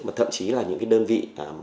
mà thậm chí là những đơn vị